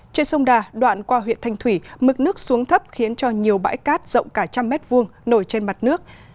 trên sông đà đoạn qua huyện thanh thủy mực nước xuống thấp khiến cho nhiều bãi cát rộng cả trăm mét vuông nổi trên mặt nước